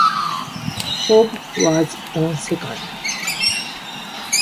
Cobb was on second.